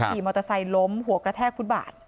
ขี่มอเตอร์ไซค์ล้มหัวกระแทกฟุตบาท